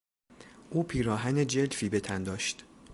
او پیراهن جلفی به تن داشت.